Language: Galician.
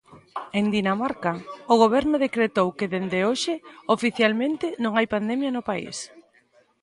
En Dinamarca, o Goberno decretou que desde hoxe, oficialmente, non hai pandemia no país.